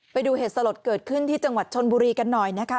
ไปดูเหตุสลดเกิดขึ้นที่จังหวัดชนบุรีกันหน่อยนะคะ